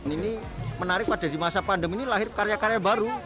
ini menarik pada di masa pandemi ini lahir karya karya baru